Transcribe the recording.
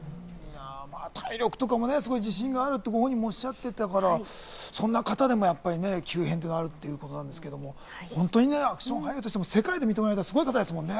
体力とかも自信があるとご本人もおっしゃっていたからそんな方でもやっぱり急変するということですけど、アクション俳優としても世界で認められたすごい方ですもんね。